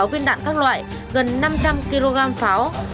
một tám trăm một mươi sáu viên đạn các loại gần năm trăm linh kg pháo